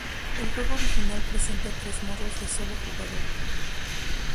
El juego original presenta tres modos de solo jugador.